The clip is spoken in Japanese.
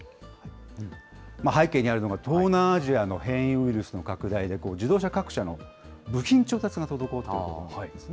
背景にあるのが、東南アジアの変異ウイルスの拡大で、自動車各社の部品調達が滞っていますね。